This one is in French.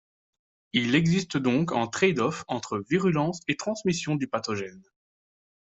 Il existe donc un trade-off entre virulence et transmission du pathogène.